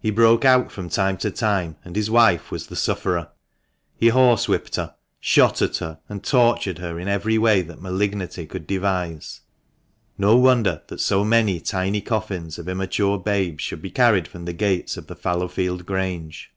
He broke out from time to time, and his wife was the sufferer ; he horse whipped her, shot at way that malignity could her, and tortured her in every devise. No wonder that so many tiny coffins of immature babes should be carried from the gates of the Fallowfield Grange.